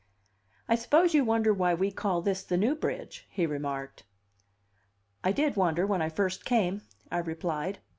"I suppose you wonder why we call this the 'New Bridge,'" he remarked. "I did wonder when I first came," I replied.